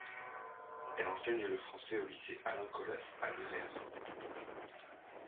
Elle enseigne le français au lycée Alain Colas à Nevers.